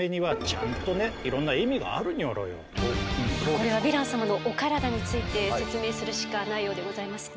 これはヴィラン様のお体について説明するしかないようでございますね。